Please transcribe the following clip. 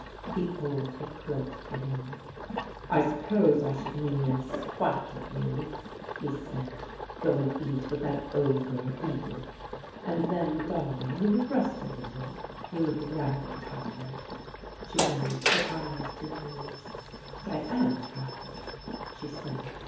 He pulled her close to him. "I suppose I should mean in spite of you," he said. "Go and eat with that ogre Edith. And then, darling, will you rest a little? You look rather tired." She raised her eyes to his. "But I am tired," she said.